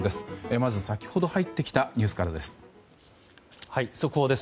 まず、先ほど入ってきたニュースからです。